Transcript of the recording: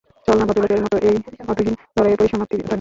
চল না ভদ্রলোকের মতো এই অর্থহীন লড়াইয়ের পরিসমাপ্তি টানি?